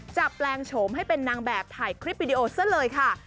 แปลงโฉมให้เป็นนางแบบถ่ายคลิปวิดีโอซะเลยค่ะ